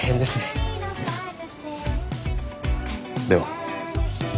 では。